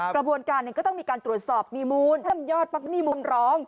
กระบวนการหนึ่งก็ต้องมีการตรวจสอบมีมูลเพิ่มยอดปักหมี่มุมร้อง